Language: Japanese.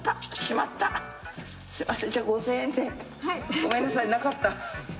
ごめんなさいなかった。